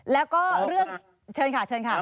แล้วก็เลือกเชิญค่ะครับโอ้ขอบคุณครับ